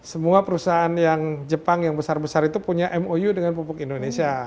semua perusahaan yang jepang yang besar besar itu punya mou dengan pupuk indonesia